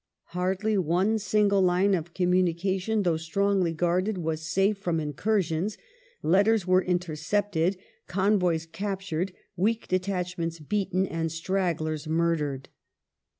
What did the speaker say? Hardly one single line of communication, though strongly guarded, was safe from incursions; letters were intercepted, convoys captured, weak detach ments beaten, and stragglers murdered.